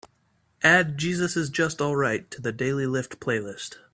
Add jesus is just alright to the Daily Lift playlist.